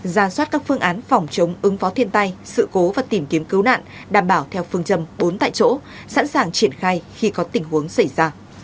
ra soát các phương án phòng chống ứng phó thiên tai sự cố và tìm kiếm cứu nạn đảm bảo theo phương châm bốn tại chỗ sẵn sàng triển khai khi có tình huống xảy ra